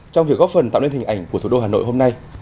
trong việc góp phần tạo nên hình ảnh của thủ đô hà nội hôm nay